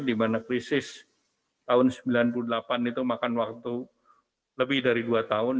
dimana krisis tahun seribu sembilan ratus sembilan puluh delapan itu makan waktu lebih dari dua tahun